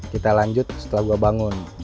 kita lanjut setelah gue bangun